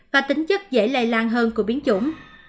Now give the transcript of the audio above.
và tính chất dễ lây lan hơn của biến chủng